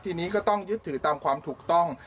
ทีนี้ก็ต้องยึดถือตามความถูกต้อง